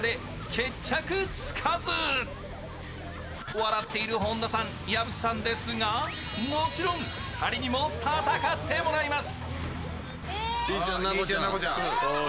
笑っている本田さん矢吹さんですが、もちろん２人にも戦ってもらいます